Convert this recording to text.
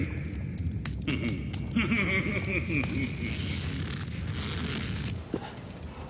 フフッフフフフフッ！